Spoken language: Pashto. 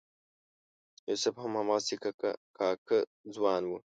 یوسف هم هماغسې کاکه ځوان و.